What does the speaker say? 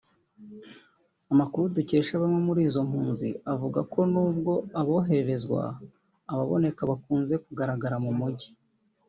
Amakuru dukesha bamwe muri izo mpunzi avuga yuko n’ubwo abohererezwa ababaneka bakunze kugaragara mu mujyi